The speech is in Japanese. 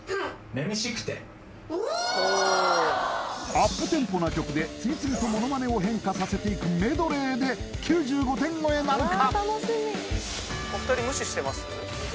アップテンポな曲で次々とモノマネを変化させていくメドレーで９５点超えなるか？